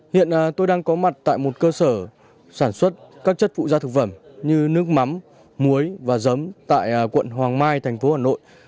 hiện tôi đang có mặt tại một cơ sở sản xuất các chất phụ gia thực phẩm như nước mắm muối và giấm tại quận hoàng mai thành phố hà nội